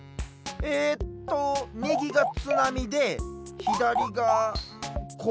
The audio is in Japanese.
えっとみぎがつなみでひだりがんこうずい？